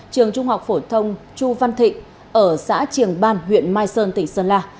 trường trung học phổ thông chu văn thịnh ở xã triềng ban huyện mai sơn tỉnh sơn la